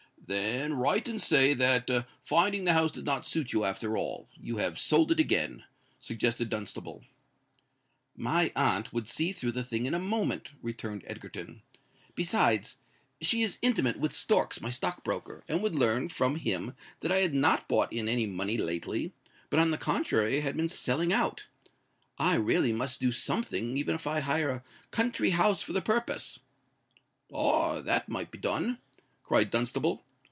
"Then write and say that, finding the house did not suit you after all, you have sold it again," suggested Dunstable. "My aunt would see through the thing in a moment," returned Egerton. "Besides, she is intimate with Storks, my stock broker, and would learn, from him that I had not bought in any money lately; but, on the contrary, had been selling out. I really must do something—even if I hire a country house for the purpose." "Ah! that might be done!" cried Dunstable.